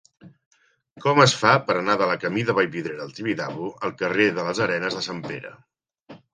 Com es fa per anar de la camí de Vallvidrera al Tibidabo al carrer de les Arenes de Sant Pere?